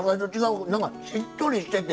なんかしっとりしてて。